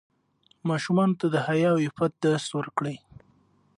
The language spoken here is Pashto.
ماشومانو ته د حیا او عفت درس ورکړئ.